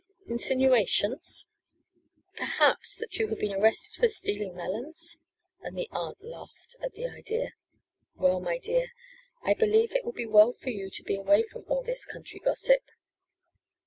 "Insinuations? Perhaps that you had been arrested for stealing melons?" and the aunt laughed at the idea. "Well, my dear, I believe it will be well for you to be away from all this country gossip."